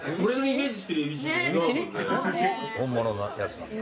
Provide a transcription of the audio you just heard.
本物のやつなんだ。